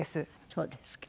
そうですか。